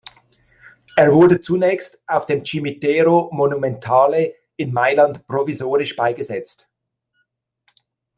Er wurde zunächst auf dem "Cimitero Monumentale" in Mailand provisorisch beigesetzt.